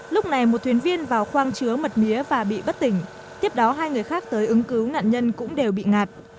lúc này một thuyền viên vào khoang chứa mật mía và bị bất tỉnh tiếp đó hai người khác tới ứng cứu nạn nhân cũng đều bị ngạt